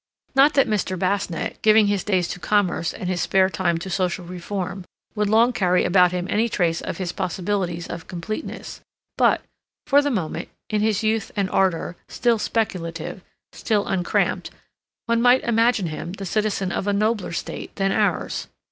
Not that Mr. Basnett, giving his days to commerce and his spare time to social reform, would long carry about him any trace of his possibilities of completeness; but, for the moment, in his youth and ardor, still speculative, still uncramped, one might imagine him the citizen of a nobler state than ours.